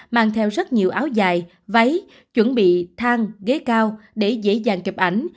mang theo rất nhiều áo dài váy chuẩn bị thang ghế cao để dễ dàng chụp ảnh